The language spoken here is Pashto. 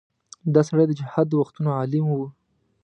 دا سړی د جهاد د وختونو عالم و.